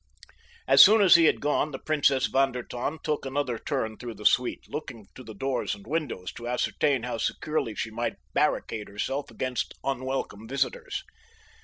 As soon as he had gone the Princess von der Tann took another turn through the suite, looking to the doors and windows to ascertain how securely she might barricade herself against unwelcome visitors.